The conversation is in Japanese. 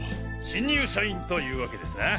新入社員というわけですな。